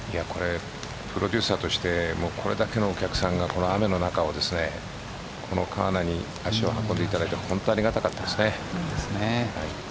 プロデューサーとしてこれだけのお客さんがこの雨の中この川奈に足を運んでいただいて本当にありがたかったです。